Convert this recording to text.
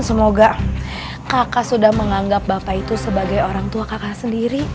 semoga kakak sudah menganggap bapak itu sebagai orang tua kakak sendiri